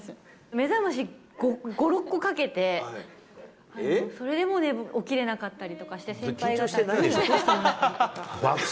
目覚まし５、６個かけて、それでも起きれなかったりとかして、先輩方に起こしてもらったりとか。